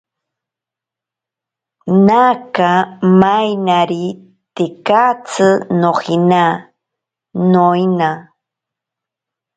Naka mainari tekatsi nojina, noina.